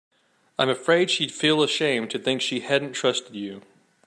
I'm afraid she'd feel ashamed to think she hadn't trusted you.